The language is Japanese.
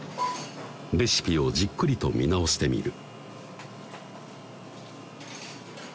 レシピをじっくりと見直してみる